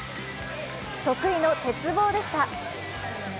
得意の鉄棒でした。